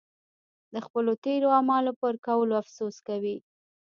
د خپلو تېرو اعمالو پر کولو افسوس کوي.